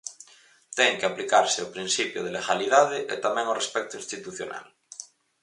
Ten que aplicarse o principio de legalidade e tamén o respecto institucional.